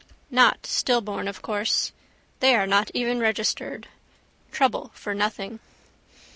Not stillborn of course. They are not even registered. Trouble for nothing.